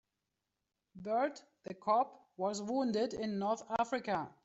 Bert the cop was wounded in North Africa.